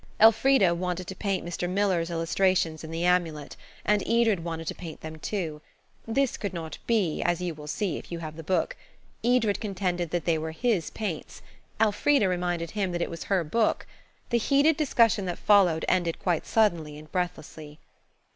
Elfrida wanted to paint Mr. Millar's illustrations in "The Amulet," and Edred wanted to paint them, too. This could not be, as you will see if you have the book. Edred contended that they were his paints. Elfrida reminded him that it was her book. The heated discussion that followed ended quite suddenly and breathlessly.